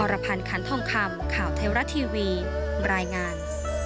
รพันธ์ขันทองคำข่าวไทยรัฐทีวีรายงาน